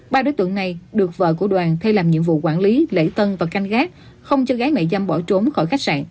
ba đối tượng này được vợ của đoàn thay làm nhiệm vụ quản lý lễ tân và canh gác không cho gái mại dâm bỏ trốn khỏi khách sạn